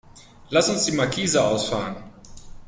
Lass uns die Markise ausfahren.